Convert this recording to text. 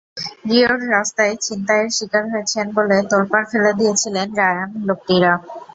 রিওর রাস্তায় ছিনতাইয়ের শিকার হয়েছেন বলে তোলপাড় ফেলে দিয়েছিলেন রায়ান লোক্টিরা।